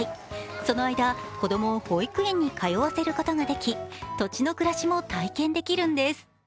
その間、子供を保育園に通わせることができ、土地の暮らしも体験できるんです。